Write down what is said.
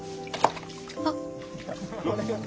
あっ。